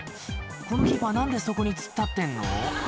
このキーパー何でそこに突っ立ってんの？